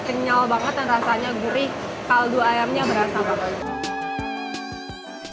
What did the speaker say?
kenyal dan rasanya gurih dan kaldu ayamnya seperti perasa